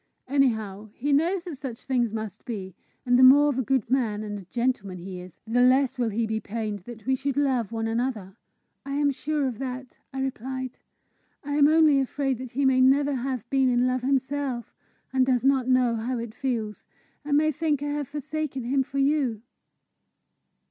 Anyhow, he knows that such things must be; and the more of a good man and a gentleman he is, the less will he be pained that we should love one another!" "I am sure of that," I replied. "I am only afraid that he may never have been in love himself, and does not know how it feels, and may think I have forsaken him for you."